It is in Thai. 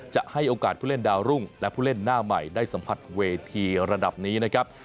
จะให้โอกาสผู้เล่นดาวรุ่งและผู้เล่นหน้าใหม่ได้สัมผัสเวทีระดับนี้นะครับ